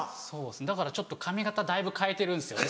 だからちょっと髪形だいぶ変えてるんですよね